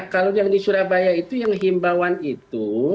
kalau yang di surabaya itu yang himbauan itu